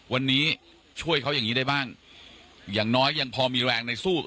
วันนี้ช่วยเขาอย่างนี้ได้บ้างอย่างน้อยยังพอมีแรงในสู้